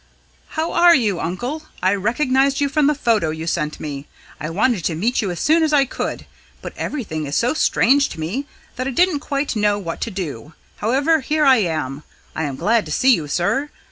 "How are you, uncle? I recognised you from the photo you sent me! I wanted to meet you as soon as I could, but everything is so strange to me that I didn't quite know what to do. However, here I am. I am glad to see you, sir.